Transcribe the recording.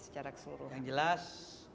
secara keseluruhan yang jelas